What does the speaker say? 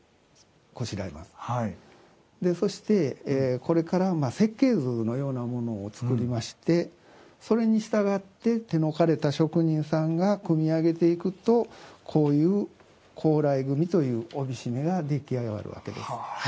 そしてこれから設計図のようなものを作りましてそれに従って手のかれた職人さんが組み上げていくとこういう高麗組という帯締めが出来上がるわけです。